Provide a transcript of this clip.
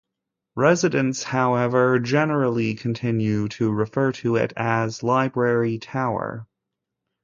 Residents, however, generally continue to refer to it as Library Tower.